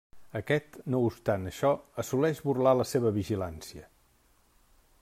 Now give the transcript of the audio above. Aquest no obstant això, assoleix burlar la seva vigilància.